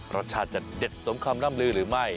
รสชาติจะเด็ดสมคำล่ำลือหรือไม่